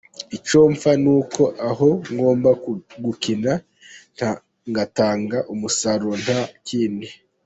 Icyo mpfa ni uko aho ngomba gukina ngatanga umusaruro nta kindi.